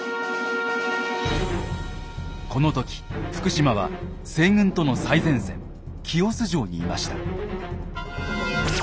この時福島は西軍との最前線清須城にいました。